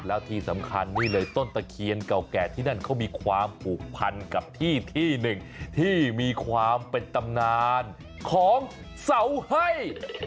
แล้วที่สำคัญนี่เลยต้นตะเคียนเก่าแก่ที่นั่นเขามีความผูกพันกับที่ที่หนึ่งที่มีความเป็นตำนานของเสาให้